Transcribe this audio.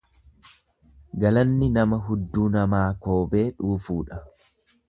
Galanni nama hudduu namaa koobee dhuufuudha.